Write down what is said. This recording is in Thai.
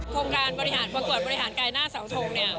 โครงการปรากวดบริหารกายหน้าเสาทง